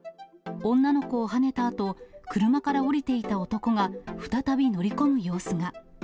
女の子をはねたあと、車から降りていた男が再び乗り込む様子が。